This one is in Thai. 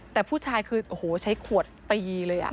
แต่ผู้ชายคือโอ้โหใช้ขวดตีเลย